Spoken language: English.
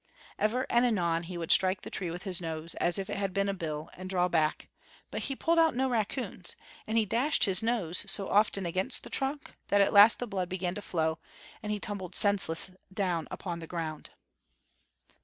Ever and anon he would strike the tree with his nose, as if it had been a bill, and draw back, but he pulled out no raccoons; and he dashed his nose so often against the trunk that at last the blood began to flow, and he tumbled down senseless upon the ground.